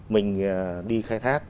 mình đi khai thác